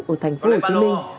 ở thành phố hồ chí minh